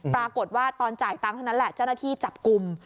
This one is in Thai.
ปรากฏว่าตอนจ่ายตังค์เท่านั้นแหละเจ้าหน้าที่จับกลุ่ม